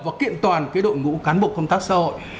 và kiện toàn cái đội ngũ cán bộ công tác xã hội